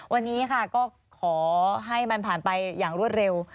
วันนี้ค่ะก็ขอให้มันผ่านไปอย่างรวดเร็ว